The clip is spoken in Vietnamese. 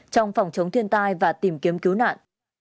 trong phòng chống thiên tai và tìm kiếm cứu nạn